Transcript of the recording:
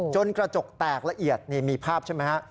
กระจกแตกละเอียดนี่มีภาพใช่ไหมฮะ